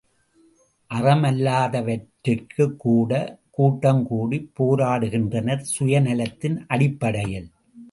அறமல்லாதவற்றிற்கும்கூட, கூட்டம் கூடி ப் போராடுகின்றனர், சுயநலத்தின் அடிப்படையில்!